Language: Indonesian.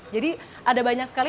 jadi ada banyak sekali